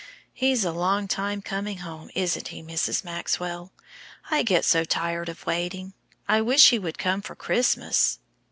"He's a long time coming home, isn't he, Mrs. Maxwell? I get so tired of waiting. I wish he would come for Christmas."